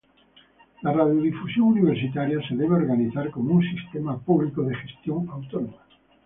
La radiodifusión universitaria se debe organizar como un sistema público de gestión autónoma.